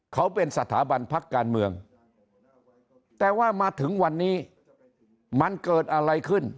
เขาเป็นสถาบันพักการเมืองแต่ว่ามาถึงวันนี้มันเกิดอะไรขึ้น